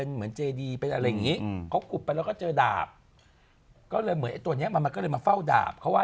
เห็นป่าว